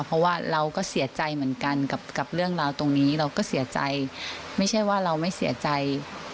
เพราะว่าเราก็เสียใจเหมือนกันกับเรื่องราวตรงนี้เราก็เสียใจไม่ใช่ว่าเราไม่เสียใจ